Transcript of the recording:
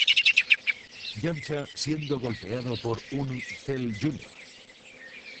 Yamcha siendo golpeado por un Cell Jr.